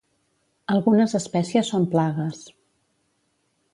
Algunes espècies són plagues.